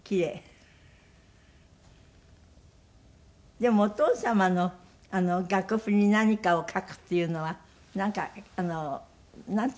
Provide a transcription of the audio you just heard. でもお父様の楽譜に何かを描くっていうのはなんかなんていうのかしら？